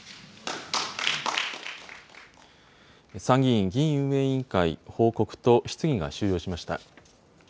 参議院議院運営委員会、報告と質疑が終了しました。